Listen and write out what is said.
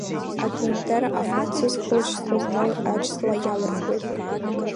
Апиунтер афранцыз хылҵшьҭра змоу аџьҵла иалырхуеит.